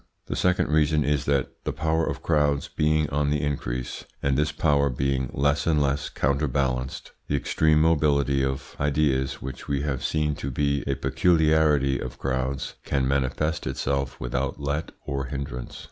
The second reason is that the power of crowds being on the increase, and this power being less and less counterbalanced, the extreme mobility of ideas, which we have seen to be a peculiarity of crowds, can manifest itself without let or hindrance.